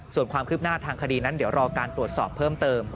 ส่วนความคืบหน้าทางคดีนั้นเดี๋ยวรอการตรวจสอบเพิ่มเติม